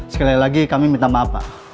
sekali lagi kami minta maaf pak